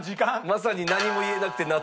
まさに『何も言えなくて夏』。